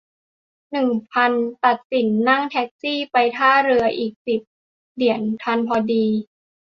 หนึ่งพัน ตัดสินใจนั่งแท็กซี่ไปท่าเรืออีก สิบ เหรียญทันพอดี